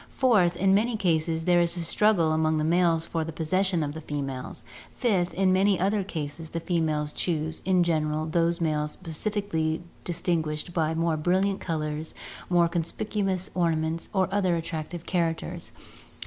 Fourth, in many cases there is a struggle among the males for the possession of the females. Fifth, in many other cases the females choose, in general, those males specially distinguished by more brilliant colours, more con spicuous ornaments, or other attractive characters.